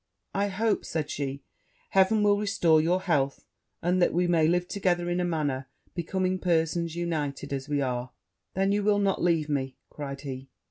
'I hope,' said she, 'Heaven will restore your health, and that we may live together in a manner becoming persons united as we are.' 'Then you will not leave me?' cried he.